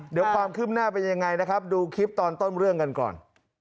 เดี๋ยวความคืบหน้าเป็นยังไงนะครับดูคลิปตอนต้นเรื่องกันก่อน